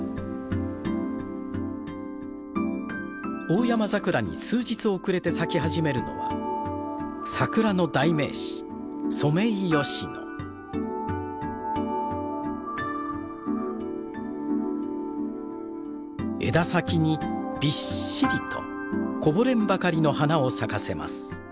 オオヤマザクラに数日遅れて咲き始めるのは桜の代名詞枝先にびっしりとこぼれんばかりの花を咲かせます。